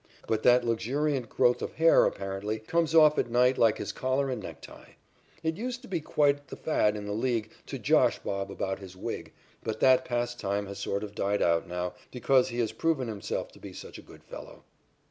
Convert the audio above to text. But that luxuriant growth of hair, apparent, comes off at night like his collar and necktie. It used to be quite the fad in the League to "josh" "Bob" about his wig, but that pastime has sort of died out now because he has proven himself to be such a good fellow.